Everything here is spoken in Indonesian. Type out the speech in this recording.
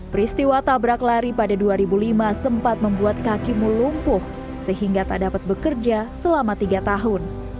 peristiwa tabrak lari pada dua ribu lima sempat membuat kakimu lumpuh sehingga tak dapat bekerja selama tiga tahun